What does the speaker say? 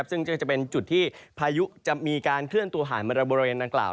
ซึ่งก็จะเป็นจุดที่พายุจะมีการเคลื่อนตัวผ่านมาบริเวณนางกล่าว